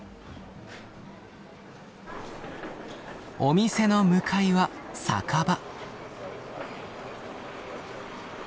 お店の向かいは酒場。